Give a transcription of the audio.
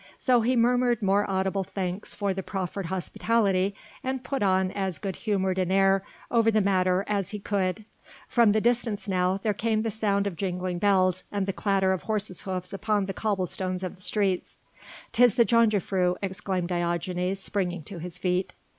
So he murmured more audible thanks for the proffered hospitality, and put on as good humoured an air over the matter as he could. From the distance now there came the sound of jingling bells and the clatter of horses' hoofs upon the cobble stones of the streets. "'Tis the jongejuffrouw," exclaimed Diogenes, springing to his feet.